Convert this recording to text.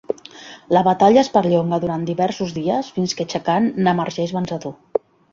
La batalla es perllonga durant diversos dies fins que Chakan n'emergeix vencedor.